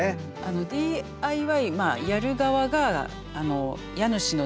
ＤＩＹやる側が家主の制限